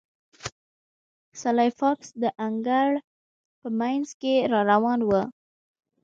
سلای فاکس د انګړ په مینځ کې را روان و